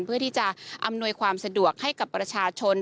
เพื่อที่จะอำนวยความสะดวกให้กับประชาชน